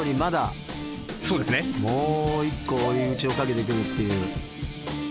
もう一個追い打ちをかけてくるっていう。